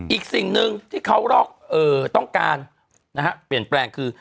อีกสิ่งหนึ่งที่เขาต้องการเปลี่ยนแปลงคือ